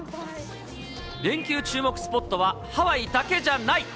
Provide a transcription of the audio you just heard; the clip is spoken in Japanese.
連休注目スポットは、ハワイだけじゃない。